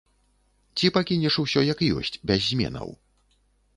Ці пакінеш усё як ёсць, без зменаў?